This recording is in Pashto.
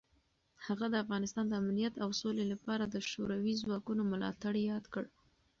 هغه د افغانستان د امنیت او سولې لپاره د شوروي ځواکونو ملاتړ یاد کړ.